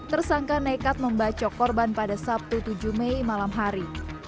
tersangka nekat membacok korban pada sabtu tujuh mei malam hari